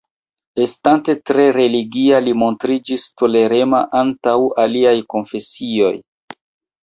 Estante tre religia li montriĝis tolerema antaŭ aliaj konfesioj.